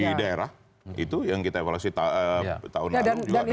di daerah itu yang kita evaluasi tahun lalu juga